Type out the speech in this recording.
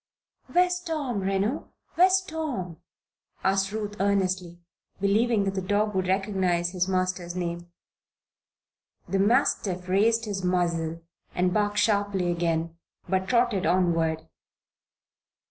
"Where's Tom, Reno? Where's Tom?" asked Ruth, earnestly, believing that the dog would recognize his master's name. The mastiff raised his muzzle and barked sharply again, but trotted onward.